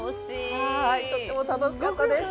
とっても楽しかったです。